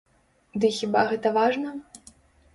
Ды хіба гэта важна?